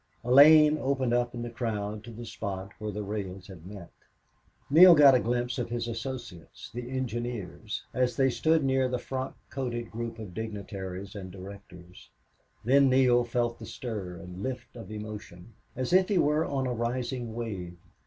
A lane opened up in the crowd to the spot where the rails had met. Neale got a glimpse of his associates, the engineers, as they stood near the frock coated group of dignitaries and directors. Then Neale felt the stir and lift of emotion, as if he were on a rising wave.